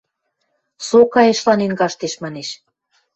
– Со кайышланен каштеш, – манеш.